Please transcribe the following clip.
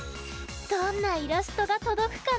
どんなイラストがとどくかな？